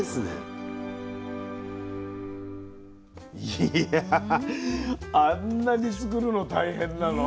いやあんなにつくるの大変なの？